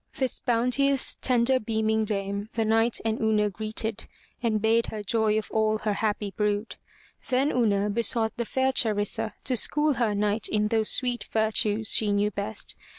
This bounteous, tender beaming dame the Knight and Una greeted, and bade her 42 FROM THE TOWER WINDOW joy of all her happy brood. Then Una besought the fair Charissa to school her Knight in those sweet virtues she knew best.